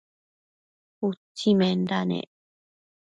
utsimenda nec